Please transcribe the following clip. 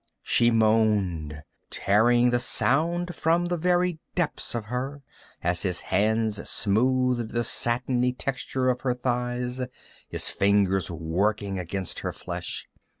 She moaned, tearing the sound from the very depths of her as his hands smoothed the satiny texture of her thighs, his fingers working against her flesh.